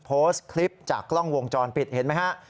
โพสต์คลิปจากกล้องวงจรปิดเห็นไหมฮะ